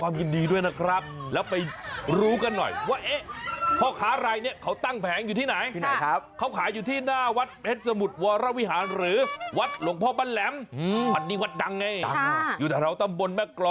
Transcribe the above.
เวลาไปซื้อละตาเลก็จะมีซองพลาสติกใส่ให้ใช่ไหมบางร้าน